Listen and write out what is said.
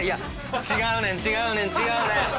違うねん違うねん違うねん！